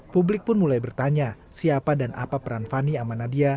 publik pun mulai bertanya siapa dan apa peran fani amanadia